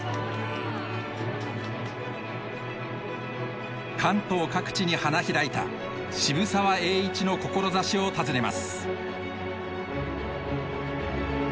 そして関東各地に花開いた渋沢栄一の志を訪ねます。